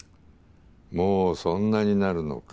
もうそんなになるのか。